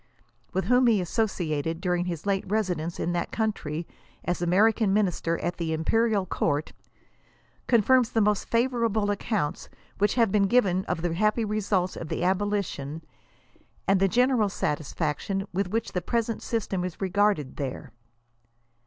with whom he associated during his late residence in that country as American Minister at the Imperial Court, confirms the most favor able accounts which have been given of the happy results of the abolition, and the general satisfaction with which the present system is regartled there.